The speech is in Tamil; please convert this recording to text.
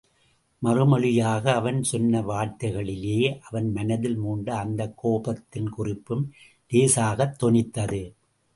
மறுமொழியாக அவன் சொன்ன வார்த்தைகளிலேயே அவன் மனத்தில் மூண்ட அந்தக் கோபத்தின் குறிப்பும் இலேசாகத் தொனித்தது.